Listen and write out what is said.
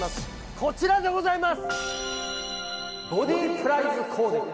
こちらでございます！